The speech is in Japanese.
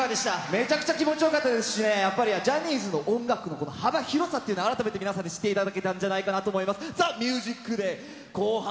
めちゃくちゃ気持ちよかったですしね、ジャニーズの音楽のこの幅広さっていうのを、改めて皆さんに知っていただけたんじゃないかと思います。